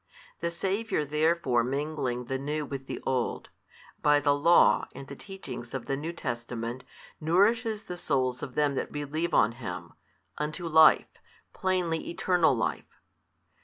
The Saviour therefore mingling the new with the old, by the Law and the teachings of the New Testament nourishes the souls of them that believe on Him, unto life, plainly eternal life.